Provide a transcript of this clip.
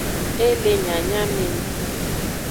E le nyanyameni.